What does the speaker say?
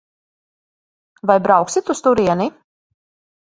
Vai brauksit uz turieni?